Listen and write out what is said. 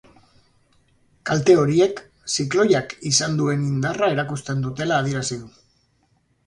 Kalte horiek, zikloiak izan duen indarra erakusten dutela adierazi du.